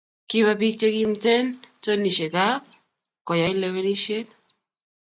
Kipa pik che kimten tonishek gaa ko yai lewenishet